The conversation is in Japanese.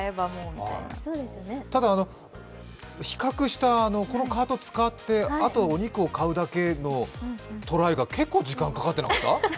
ただ比較したこのカート使ってあと、お肉を買うだけのトライが結構時間かかってなかった？